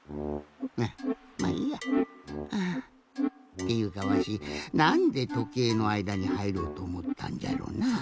っていうかわしなんでとけいのあいだにはいろうとおもったんじゃろなあ？